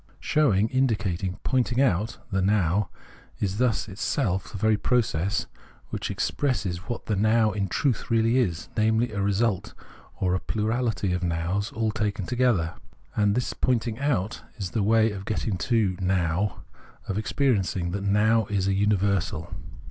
Showing, indicating, pointing out [the Now] is thus itself the very process which expresses what the Now in truth really is : namely a result, or a plurality of Nows all taken together. And the point ing out is the way of getting to know, of experiencing, that Now is a universal.